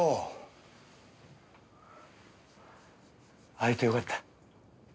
会えてよかった。